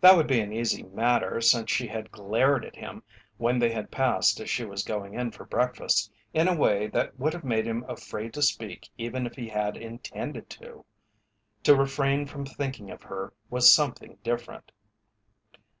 That would be an easy matter since she had glared at him, when they had passed as she was going in for breakfast, in a way that would have made him afraid to speak even if he had intended to. To refrain from thinking of her was something different.